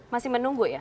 masih menunggu ya